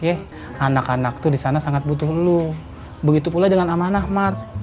ya anak anak tuh di sana sangat butuh lu begitu pulang dengan aman ahmad